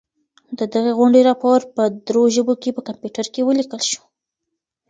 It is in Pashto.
د دغي غونډې راپور په درو ژبو کي په کمپیوټر کي ولیکل سو.